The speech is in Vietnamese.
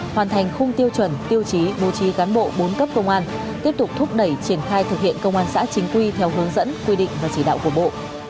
hoàn thành khung tiêu chuẩn tiêu chí bố trí cán bộ bốn cấp công an tiếp tục thúc đẩy triển khai thực hiện công an xã chính quy theo hướng dẫn quy định và chỉ đạo của bộ